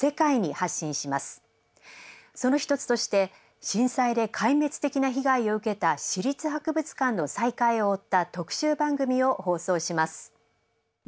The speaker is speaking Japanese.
その一つとして震災で壊滅的な被害を受けた市立博物館の再開を追った特集番組を放送します。